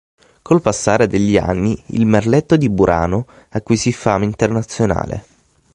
Col passare degli anni il merletto di Burano acquisì fama internazionale.